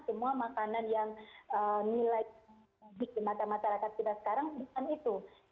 semua makanan yang nilai gizi mata mata rakyat kita sekarang bukan itu